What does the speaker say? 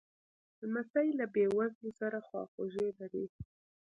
لمسی له بېوزلو سره خواخوږي لري.